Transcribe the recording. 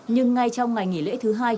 nhưng ngay trong ngày nghỉ lễ thứ hai